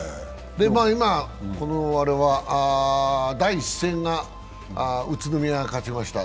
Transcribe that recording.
今、第１戦が宇都宮が勝ちました。